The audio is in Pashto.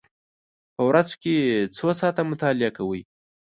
په ورځ کې څو ساعته مطالعه کوئ؟